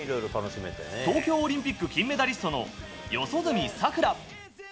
東京オリンピック金メダリストの四十住さくら。